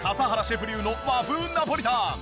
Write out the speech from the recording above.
シェフ流の和風ナポリタン。